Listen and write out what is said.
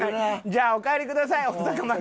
じゃあお帰りください大阪まで。